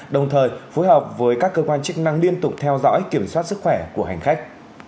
đồng thời phối hợp với các cơ quan chức năng liên tục theo dõi kiểm soát sức khỏe của hành khách